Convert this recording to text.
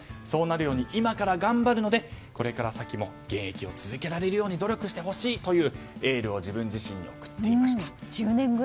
そうなるように今から頑張るのでこれから先も現役を続けられるように努力してほしいというエールを自分自身に送っていました。